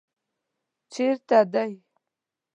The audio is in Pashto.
چېرته دی؟